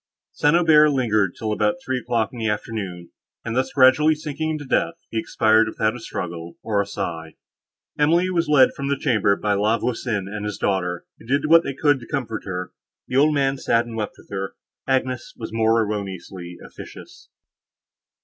St. Aubert lingered till about three o'clock in the afternoon, and, thus gradually sinking into death, he expired without a struggle, or a sigh. Emily was led from the chamber by La Voisin and his daughter, who did what they could to comfort her. The old man sat and wept with her. Agnes was more erroneously officious.